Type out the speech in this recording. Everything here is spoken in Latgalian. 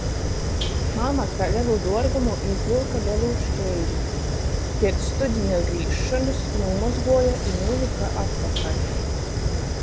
Mama kai lelu duorgumu izvylka lelū škīvi, piec studiņa grīzšonys nūmozguoja i nūlyka atpakaļ.